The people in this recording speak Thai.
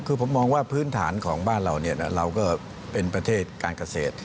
คือผมมองว่าพื้นฐานของบ้านเราเราก็เป็นประเทศการเกษตร